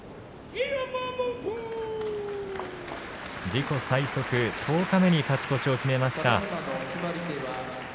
自己最速、十日目に勝ち越しを決めました。